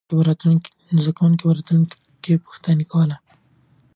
زده کوونکي به راتلونکې کې پوښتنې کوله.